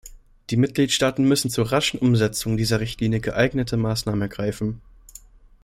Die Mitgliedstaaten müssen zur raschen Umsetzung dieser Richtlinie geeignete Maßnahmen ergreifen.